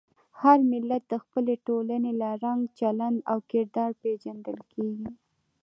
هر ملت د خپلې ټولنې له رنګ، چلند او کردار پېژندل کېږي.